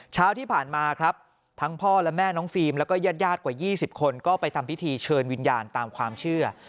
เช้าที่ผ่านมาครับทั้งพ่อและแม่น้องฟิล์มแล้วก็ญาติกว่า๒๐คนก็ไปทำพิธีเชิญวิญญาณตามความเชื่อ